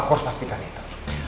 aku harus pastikan itu